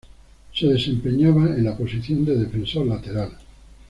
Se desempeñaba en la posición de defensor lateral.